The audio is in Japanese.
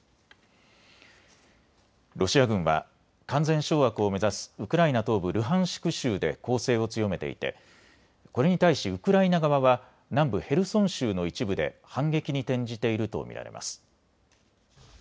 ロシア軍は完全掌握を目指すウクライナ東部ルハンシク州で攻勢を強めていてこれに対しウクライナ側は南部ヘルソン州の一部で反撃に転じていると見られます。